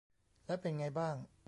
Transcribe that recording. แล้วเป็นไงบ้าง